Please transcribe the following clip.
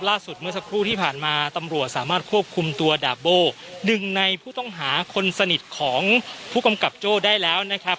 เมื่อสักครู่ที่ผ่านมาตำรวจสามารถควบคุมตัวดาบโบ้หนึ่งในผู้ต้องหาคนสนิทของผู้กำกับโจ้ได้แล้วนะครับ